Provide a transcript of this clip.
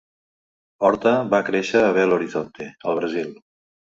Horta va créixer a Belo Horizonte, al Brasil.